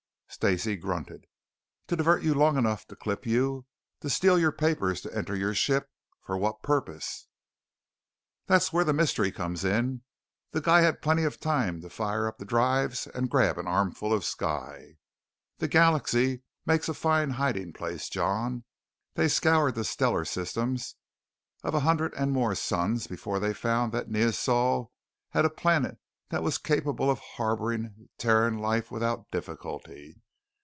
Stacey grunted. "To divert you long enough to clip you, to steal your papers, to enter your ship for what purpose?" "That's where the mystery comes in. The guy had plenty of time to fire up the drivers and grab an armful of sky. The galaxy makes a fine hiding place, John. They scoured the stellar systems of a hundred and more suns before they found that Neosol had a planet that was capable of harboring Terran life without difficulty.